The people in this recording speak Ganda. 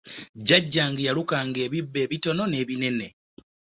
Jajjange yalukanga ebibbo ebitono n'ebinene.